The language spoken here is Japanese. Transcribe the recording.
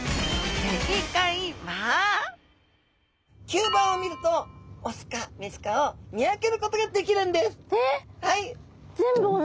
吸盤を見るとオスかメスかを見分けることができるんです。え！？はい。